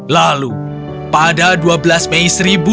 lalu pada dua belas mei seribu lima ratus tiga puluh delapan